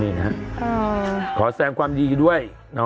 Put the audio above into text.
นี่นะฮะขอแสงความดีด้วย